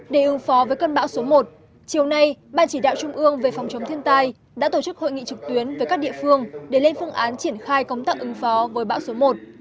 để ứng phó với cơn bão số một chiều nay ban chỉ đạo trung ương về phòng chống thiên tai đã tổ chức hội nghị trực tuyến với các địa phương để lên phương án triển khai công tặc ứng phó với bão số một